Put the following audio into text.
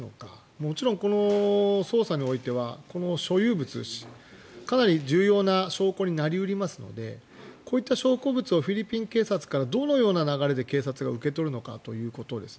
もちろんこの捜査においては所有物がかなり重要な証拠になり得ますのでこういった証拠物をフィリピン警察からどのような流れで警察が受け取るのかということですね。